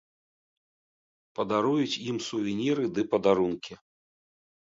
Падаруюць ім сувеніры ды падарункі.